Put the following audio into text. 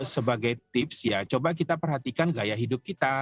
sebagai tips ya coba kita perhatikan gaya hidup kita